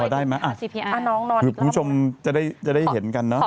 พอได้มาคุณผู้ชมจะได้เห็นกันเนอะ